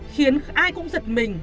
khiến ai cũng giật mình